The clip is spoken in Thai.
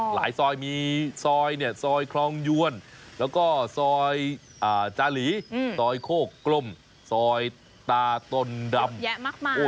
หลายซอยมีซอยคลองยวนซอยจาหลีซอยโคกกลมซอยตาตนดำ